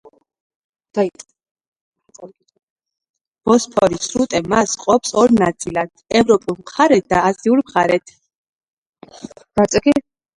ბოსფორის სრუტე მას ჰყოფს ორ ნაწილად: ევროპულ მხარედ და აზიურ მხარედ.